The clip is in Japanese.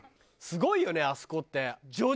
すごいよねあそこって。